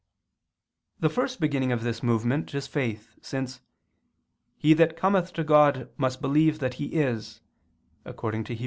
The first beginning of this movement is faith: since "he that cometh to God must believe that He is," according to Heb.